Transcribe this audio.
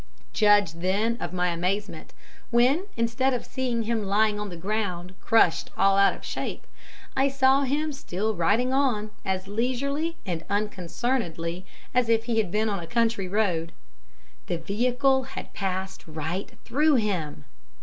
Judge, then, of my amazement, when, instead of seeing him lying on the ground, crushed out of all shape, I saw him still riding on, as leisurely and unconcernedly as if he had been on a country road. THE VEHICLE HAD PASSED RIGHT THROUGH HIM.